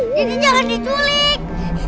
jadi jangan diculik